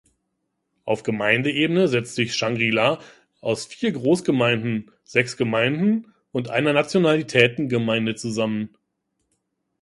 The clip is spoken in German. Auf Gemeindeebene setzt sich Shangri-La aus vier Großgemeinden, sechs Gemeinden und einer Nationalitätengemeinde zusammen.